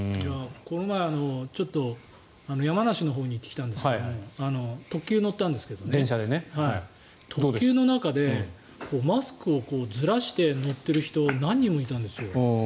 この前、ちょっと山梨のほうに行ってきたんですが特急に乗ったんですけど特急の中でマスクをずらして乗っている人何人もいたんですよ。